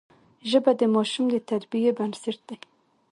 ژبه د ماشوم د تربیې بنسټ دی